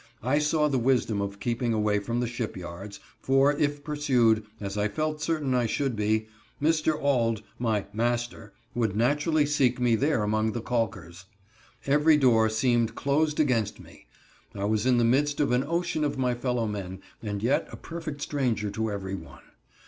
I saw the wisdom of keeping away from the ship yards, for, if pursued, as I felt certain I should be, Mr. Auld, my "master," would naturally seek me there among the calkers. Every door seemed closed against me. I was in the midst of an ocean of my fellow men, and yet a perfect stranger to every one.